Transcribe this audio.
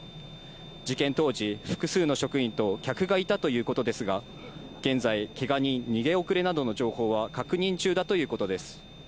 事件当時、複数の職員と客がいたということですが、現在、けが人、逃げ遅れなどの情報は確認中だということです。